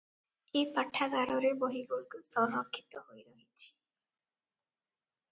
ଏ ପାଠାଗାରରେ ବହିଗୁଡ଼ିକ ସଂରକ୍ଷିତ ହୋଇରହିଛି ।